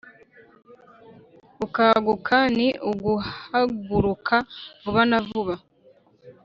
gukaguka: ni uguhaguruka vuba na vuba